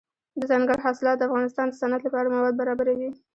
دځنګل حاصلات د افغانستان د صنعت لپاره مواد برابروي.